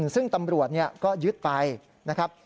ซึ่งตำรวจก็ยึดไปนะครับ